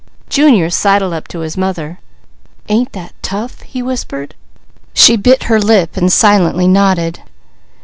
Junior sidled up to his mother. "Ain't that tough?" he whispered. She bit her lip and silently nodded.